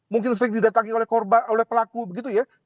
mungkin sering didatangi oleh pelaku begitu ya